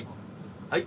はい。